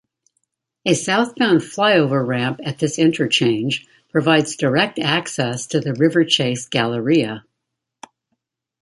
A southbound flyover ramp at this interchange provides direct access to the Riverchase Galleria.